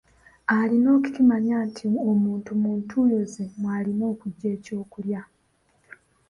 Alina okukimanya nti omuntu mu ntuuyo ze mw'alina okuggya ekyokulya.